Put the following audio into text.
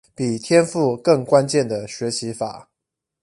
比天賦更關鍵的學習法